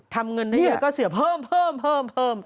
ทำเงินได้เยอะก็เสียเพิ่มต่าง